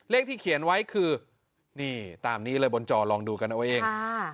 เลขที่เขียนไว้คือนี่ตามนี้เลยบนจอลองดูกันเอาเอง